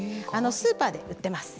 スーパーで売ってます。